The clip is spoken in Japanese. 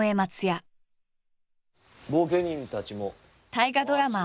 大河ドラマ